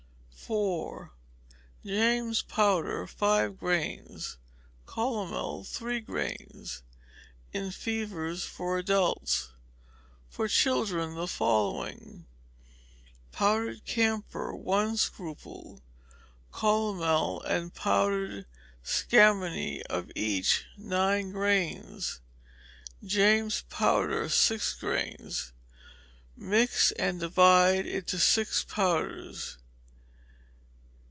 4. James's powder, five grains; calomel, three grains: in fevers, for adults. For children, the following: Powdered camphor, one scruple; calomel and powdered scammony, of each nine grains; James's powder, six grains; mix, and divide into six powders.